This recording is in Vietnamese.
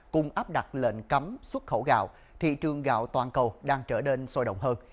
cùng áp đặt lệnh cấm xuất khẩu gạo thị trường gạo toàn cầu đang trở nên sôi động hơn